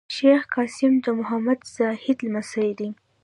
شېخ قاسم د محمد زاهد لمسی دﺉ.